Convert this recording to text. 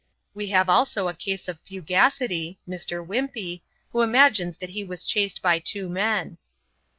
We have also a case of Fugacity (Mr. Whimpey), who imagines that he was chased by two men."